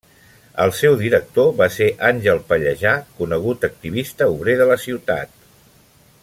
El seu director va ser Àngel Pallejà, conegut activista obrer de la ciutat.